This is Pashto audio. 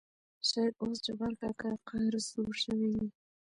شاېد اوس جبار کاکا قهر سوړ شوى وي.